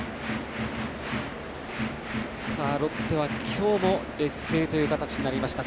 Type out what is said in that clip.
ロッテは今日も劣勢という形になりました。